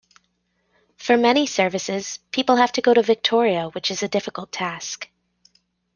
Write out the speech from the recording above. For many services, people have to go to Victoria which is a difficult task.